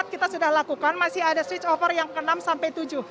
kita sudah lakukan masih ada switch over yang ke enam sampai tujuh